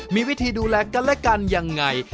มีวิธีดูแลกันและกันยังไง